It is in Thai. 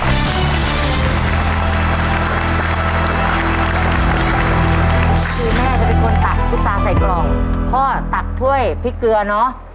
คีย์แม่จะเป็นคนตักภุตสาห์ใส่กล่องคดตักถ้วยพริกเกลือเนาะ